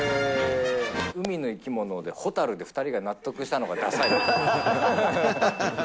海の生き物で、ホタルで２人が納得したのがださいよね。